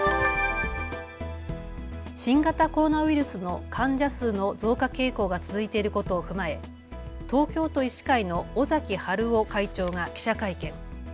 新型コロナウイルスの患者数の増加傾向が続いていることを踏まえ東京都医師会の尾崎治夫会長が記者会見。